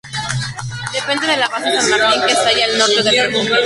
Depende de la base San Martín que se halla al norte del refugio.